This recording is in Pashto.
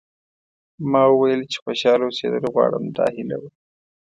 ما وویل چې خوشاله اوسېدل غواړم دا هیله وه.